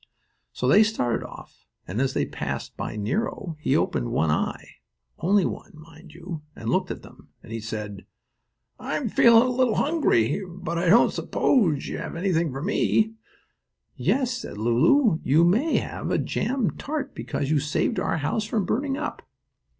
So they started off, and as they passed by Nero, he opened one eye only one, mind you, and looked at them. And he said: "I am feeling a little hungry, but I don't s'pose you have anything for me." "Yes," said Lulu, "you may have a jam tart because you saved our house from burning up."